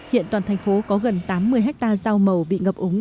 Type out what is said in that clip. hiện toàn thành phố có gần tám mươi hectare dao màu bị ngập ống